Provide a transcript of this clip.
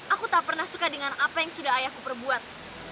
aku tak pernah suka dengan apa yang sudah ayahku perbuat